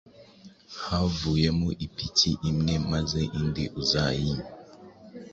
havuyemo ipiki imwe, maze indi uzayimpe